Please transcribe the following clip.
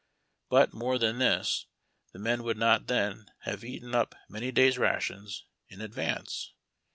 But, more than this, the meij would not then have eaten up many days' rations in ad vance.